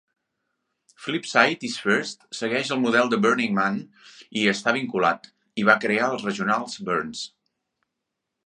Flipside is First segueix el model de Burning Man i hi està vinculat, i va crear els Regional Burns.